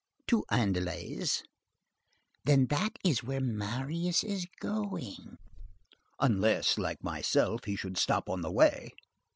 "To Andelys." "Then that is where Marius is going?" "Unless, like myself, he should stop on the way.